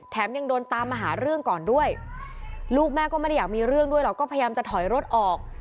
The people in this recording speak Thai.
ยังโดนตามมาหาเรื่องก่อนด้วยลูกแม่ก็ไม่ได้อยากมีเรื่องด้วยหรอกก็พยายามจะถอยรถออก